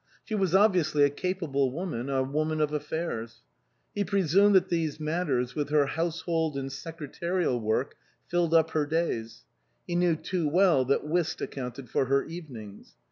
She was obviously a capable woman, a woman of affairs. He pre sumed that these matters, with her household and secretarial work, filled up her days ; he knew too well that whist accounted for her evenings.